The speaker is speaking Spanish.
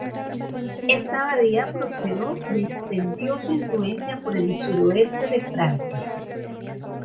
Esta abadía prosperó y extendió su influencia por el sudoeste de Francia.